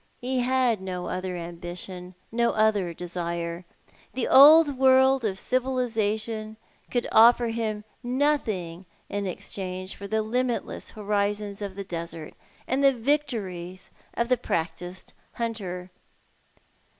He had no other ambition — no other desire. The old world of civilisation could offer him nothing in exchange for the limitless horizons of the desert, and the victories of the practised hunter.